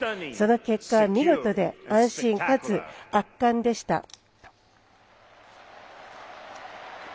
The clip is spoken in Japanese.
その結果は、見事で安心かつ圧巻でした。